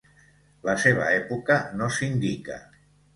La seva època no s'indica.